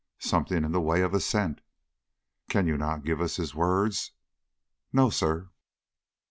"Something in the way of assent." "Cannot you give us his words?" "No, sir."